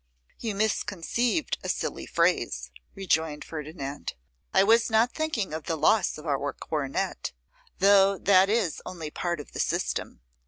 'You misconceived a silly phrase,' rejoined Ferdinand. 'I was not thinking of the loss of our coronet, though that is only part of the system.